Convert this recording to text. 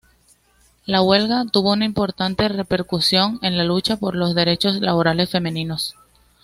La huelga tuvo una importante repercusión en la lucha por los derechos laborales femeninos.